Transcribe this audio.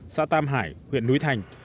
xã tam hải huyện núi thành